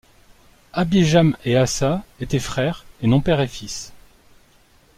Abijam et Asa était frères et non père et fils.